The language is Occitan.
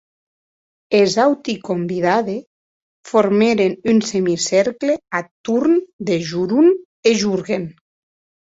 Es auti convidadi formèren un semicercle ath torn de Jorun e Jorgen.